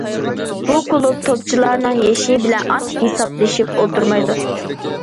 بۇ كۇلۇب توپچىلارنىڭ يېشى بىلەن ئانچە ھېسابلىشىپ ئولتۇرمايدۇ.